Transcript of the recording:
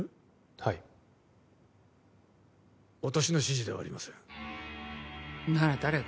はい私の指示ではありませんなら誰が？